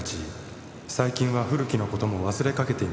最近は古木の事も忘れかけていました」